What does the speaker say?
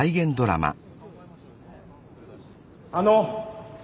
あの。